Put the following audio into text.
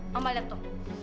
mama lihat tuh